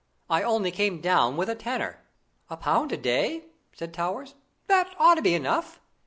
I only came down with a tenner." "A pound a day!" said Towers, "that ought to be enough."